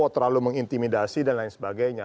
terlalu mengintimidasi dan lain sebagainya